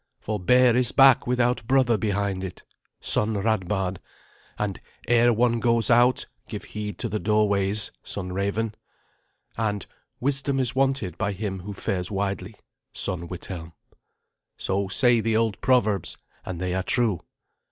For 'Bare is back without brother behind it,' son Radbard and 'Ere one goes out, give heed to the doorways,' son Raven; and 'Wisdom is wanted by him who fares widely' son Withelm. So say the old proverbs, and they are true.